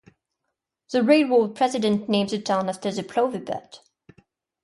The railroad president named the town after the plover bird.